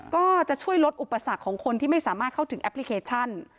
ก็จะช่วยลดอุปสรรคของคนที่ไม่สามารถเข้าถึงแอปพลิเคชัน